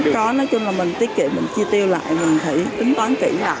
có nói chung là mình tiết kiệm mình chi tiêu lại mình phải tính toán kỹ lại